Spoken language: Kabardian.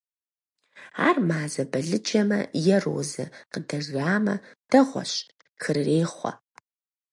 Ар мазэ балыджэмэ е розэ къыдэжамэ – дэгъуэщ, хырырехъуэ.